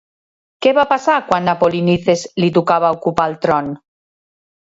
Què va passar quan a Polinices li tocava ocupar el tron?